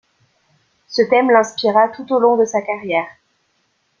Ce thème l'inspira tout au long de sa carrière.